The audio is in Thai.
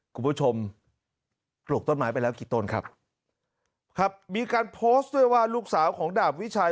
ปลูกต้นไม้ไปแล้วกี่ต้นครับครับมีการโพสต์ด้วยว่าลูกสาวของดาบวิชัย